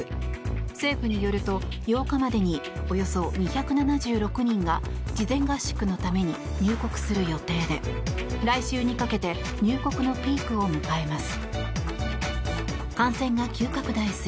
政府によると８日までにおよそ２７６人が事前合宿のために入国する予定で来週にかけて入国のピークを迎えます。